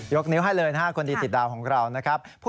ยกนิ้วให้เลย๕คนดีติดดาวน์ของเรานะครับ